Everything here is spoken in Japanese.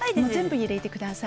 入れてください。